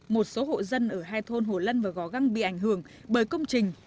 một số hộ dân ở hai thôn hồ lân và gò găng bị ảnh hưởng bởi công trình